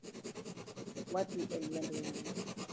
Wadhii e liend waya